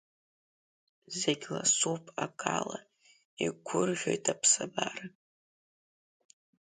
Зегь ласуп акала, игәырӷьоит аԥсабара.